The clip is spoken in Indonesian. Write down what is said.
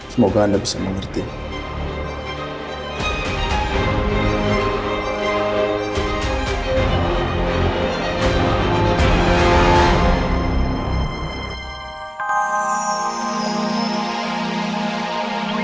saya akan menuntaskan itu semua